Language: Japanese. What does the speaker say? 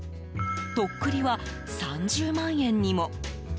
とっくりは３０万円にも。